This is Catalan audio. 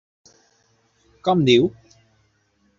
Com diu?